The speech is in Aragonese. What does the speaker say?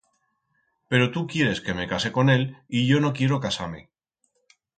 Pero tu quieres que me case con él y yo no quiero casar-me.